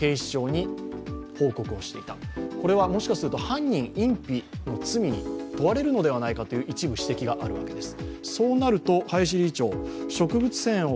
犯人隠避の罪に問われるのではないかという一部、指摘があるわけです。